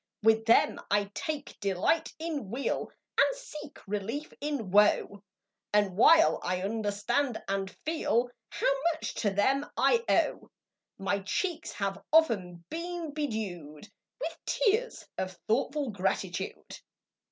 1 1 10 GEORGIAN VERSE With them I take delight in weal, And seek relief in woe; And while I understand and feel How much to them I owe, My cheeks have often been bedew'd With tears of thoughtful gratitude.